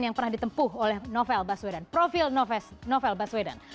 yang pernah ditempuh oleh novel baswedan profil novel baswedan